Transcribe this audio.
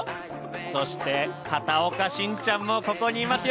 そして、片岡しんちゃんもここにいますよ。